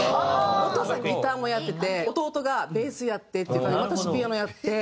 お父さんギターもやってて弟がベースやってっていう私ピアノやって。